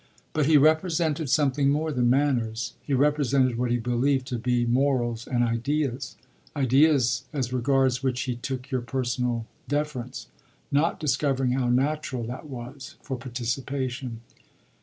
But he represented something more than manners; he represented what he believed to be morals and ideas, ideas as regards which he took your personal deference not discovering how natural that was for participation.